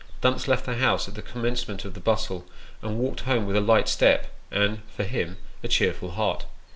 Dumps left the house at the commence ment of the bustle, and walked homo with a light step, and (for him) a cheerful heart.